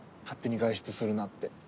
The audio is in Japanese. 勝手に外出するなって。